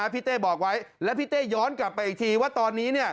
พี่เต้บอกไว้แล้วพี่เต้ย้อนกลับไปอีกทีว่าตอนนี้